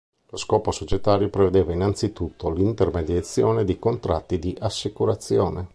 Lo scopo societario prevedeva innanzitutto l’intermediazione di contratti di assicurazione.